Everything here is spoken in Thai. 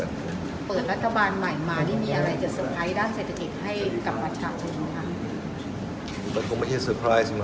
เปิดรัฐบาลใหม่มานี่มีอะไรจะเตอร์ไพรส์ด้านเศรษฐกิจให้กับประชาชนไหมคะ